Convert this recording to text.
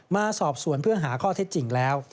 มาสอบสวนเพื่อหาข้อเท็จจริงแล้ว